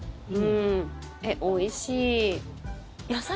おいしい！